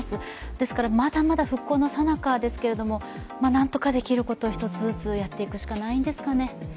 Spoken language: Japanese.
ですから、まだまだ復興のさなかですけれども、なんとかできることを一つずつやっていくしかないんですかね。